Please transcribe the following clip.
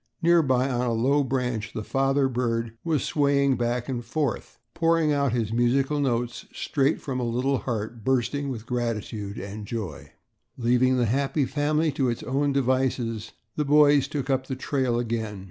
Nearby on a low branch the father bird was swaying back and forth, pouring out his musical notes straight from a little heart bursting with gratitude and joy. Leaving the happy family to its own devices, the boys took up the trail again.